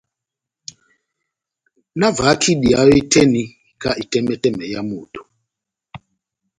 Nahavahak' idiya ó hé tɛ́h eni ka etɛmɛtɛmɛ yá moto.